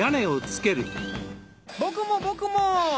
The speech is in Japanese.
僕も僕も！